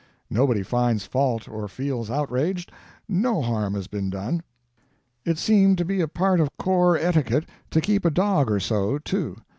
Nobody finds fault or feels outraged; no harm has been done. It seemed to be a part of corps etiquette to keep a dog or so, too.